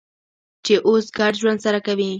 چې اوس ګډ ژوند سره کوي.